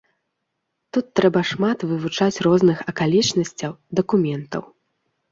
Тут трэба шмат вывучаць розных акалічнасцяў, дакументаў.